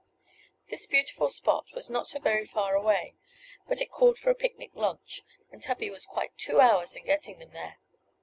This beautiful spot was not so very far away, but it called for a picnic lunch, and Tubby was quite two hours in getting them there.